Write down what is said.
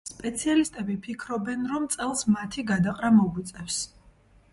სპეციალისტები ფიქრობენ, რომ წელს მათი გადაყრა მოგვიწევს.